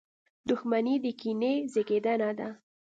• دښمني د کینې زېږنده ده.